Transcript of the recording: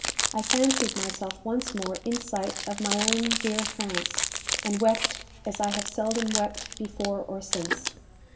I fancied myself once more in sight of my own dear France, and wept as I have seldom wept before or since.